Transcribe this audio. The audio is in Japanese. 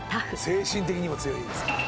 精神的にも強いですから。